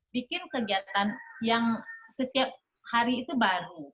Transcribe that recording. bikin kegiatan yang setiap hari itu baru